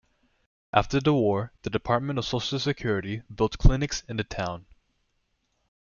After the war, the Department of Social Security built clinics in the town.